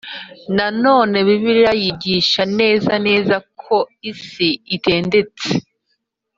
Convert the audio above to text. Nanone Bibiliya yigisha neza neza ko isi itendetse